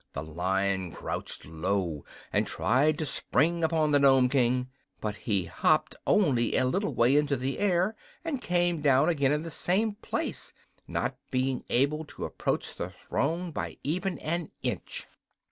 The Lion crouched low and tried to spring upon the Nome King; but he hopped only a little way into the air and came down again in the same place, not being able to approach the throne by even an inch.